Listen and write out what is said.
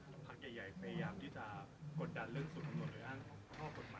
ก็คงเป็นสิทธิ์ของเขานะครับผม